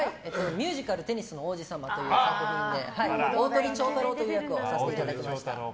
ミュージカル「テニスの王子様」という作品で鳳長太郎という役をさせていただきました。